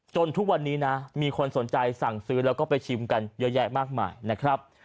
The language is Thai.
ทุกวันนี้นะมีคนสนใจสั่งซื้อแล้วก็ไปชิมกันเยอะแยะมากมายนะครับ